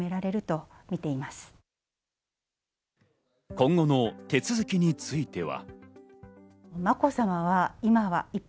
今後の手続きについては。